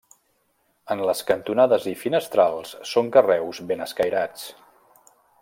En les cantonades i finestrals són carreus ben escairats.